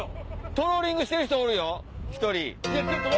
トローリングしてる人おる１人。